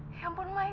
ya ampun mas zen